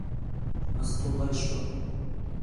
مستو غلې شوه.